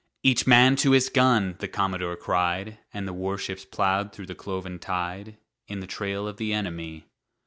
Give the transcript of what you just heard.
"Each man to his gun!" the commodore cried, And the warships plowed through the cloven tide, In the trail of the enemy.